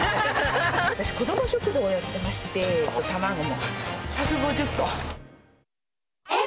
私、子ども食堂やってまして、卵を１５０個。